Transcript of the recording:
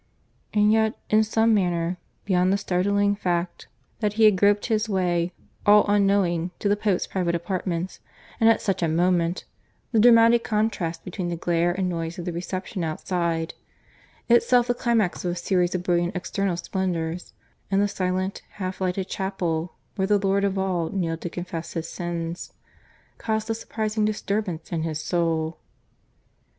And yet in some manner, beyond the startling fact that he had groped his way, all unknowing, to the Pope's private apartments, and at such a moment, the dramatic contrast between the glare and noise of the reception outside itself the climax of a series of brilliant external splendours and the silent half lighted chapel where the Lord of All kneeled to confess his sins, caused a surprising disturbance in his soul.